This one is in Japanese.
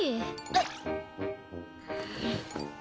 えっ。